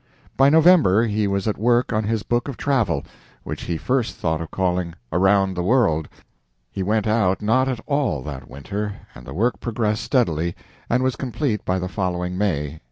By November he was at work on his book of travel, which he first thought of calling "Around the World." He went out not at all that winter, and the work progressed steadily, and was complete by the following May (1897).